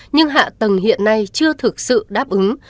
nhưng hạ tầng hiện nay chưa thực sự đáp ứng